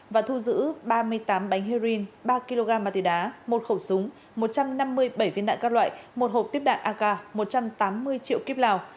và thu giữ ba mươi tám bánh heroin ba kg ma túy đá một khẩu súng một trăm năm mươi bảy viên đạn các loại một hộp tiếp đạn aga một trăm tám mươi triệu kíp lào